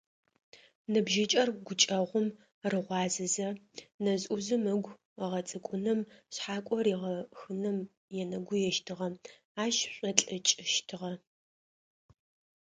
Ныбжьыкӏэр гукӏэгъум рыгъуазэзэ, нэжъ-ӏужъым ыгу ыгъэцӏыкӏуным, шъхьакӏо рихыным енэгуещтыгъэ, ащ шӏолӏыкӏыщтыгъэ.